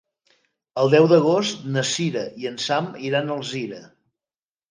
El deu d'agost na Sira i en Sam iran a Alzira.